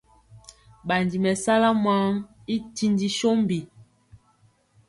Ɓandi mɛsala maŋ i tindi sombi.